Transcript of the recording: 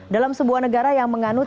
dalam sebuah negara yang menganut